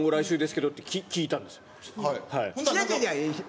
もう来週ですけどって聞いたんで違う違う。